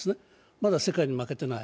まだ世界に負けてない。